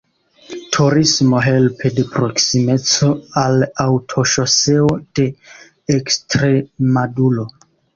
Turismo, helpe de proksimeco al Aŭtoŝoseo de Ekstremaduro.